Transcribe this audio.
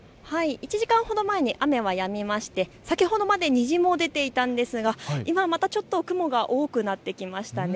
１時間ほど前に雨がやみまして先ほどまで虹も出ていたんですが今はまだちょっと、雲が多くなってきました。